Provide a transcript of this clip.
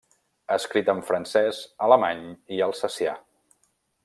Ha escrit en francès, alemany i alsacià.